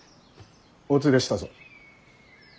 お連れしたぞ。